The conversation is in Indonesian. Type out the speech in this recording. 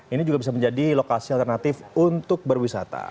ini juga bisa menjadi lokasi alternatif untuk berwisata